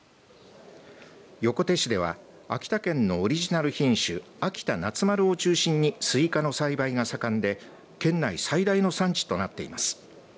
横手市では秋田県のオリジナル品種あきた夏丸を中心にすいかの栽培が盛んで県内最大の産地となっています。